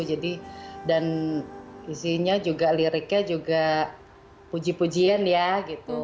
jadi dan isinya juga liriknya juga puji pujian ya gitu